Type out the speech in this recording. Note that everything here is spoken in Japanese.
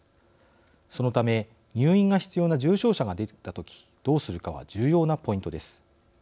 そのため入院が必要な重症者が出たときどうするかは重要なポイントです。